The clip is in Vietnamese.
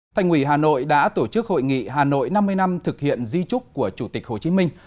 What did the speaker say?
thành quỷ hà nội đã tổ chức hội nghị hà nội năm mươi năm thực hiện di trúc của chủ tịch hồ chí minh